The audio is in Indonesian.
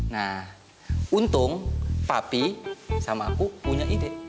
nah untung papi sama aku punya ide